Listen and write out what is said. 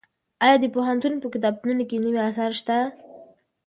ایا د پوهنتونونو په کتابتونونو کې نوي اثار شته؟